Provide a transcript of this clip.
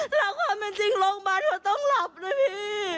แต่ความเป็นจริงโรงพยาบาลเธอต้องหลับด้วยพี่